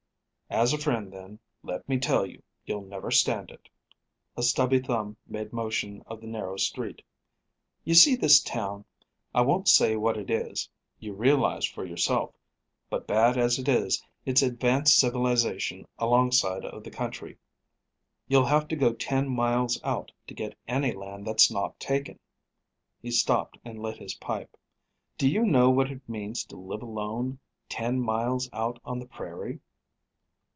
"As a friend, then, let me tell you you'll never stand it." A stubby thumb made motion up the narrow street. "You see this town. I won't say what it is you realize for yourself; but bad as it is, it's advanced civilization alongside of the country. You'll have to go ten miles out to get any land that's not taken." He stopped and lit his pipe. "Do you know what it means to live alone ten miles out on the prairie?"